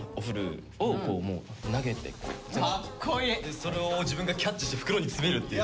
それを自分がキャッチして袋に詰めるっていう。